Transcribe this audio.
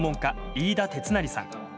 飯田哲也さん。